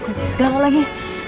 kunci segala lagi